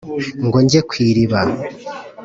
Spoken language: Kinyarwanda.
Ngo njye ku iriba,